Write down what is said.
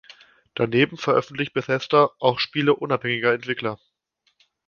Daneben veröffentlicht Bethesda auch Spiele unabhängiger Entwickler.